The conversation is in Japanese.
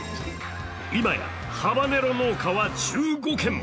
今やハバネロ農家は１５軒。